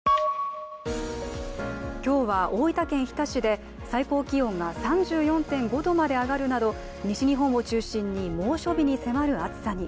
今日は大分県日田市で最高気温が３４．５度まで上がるなど、西日本を中心に猛暑日に迫る暑さに。